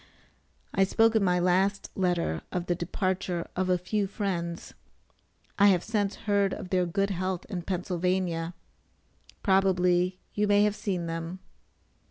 I spoke in my last letter of the departure of a "few friends." I have since heard of their good health in Penn'a. Probably you may have seen them.